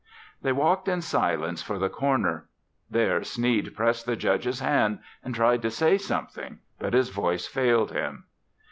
They walked in silence to the corner. There Sneed pressed the Judge's hand and tried to say something, but his voice failed him.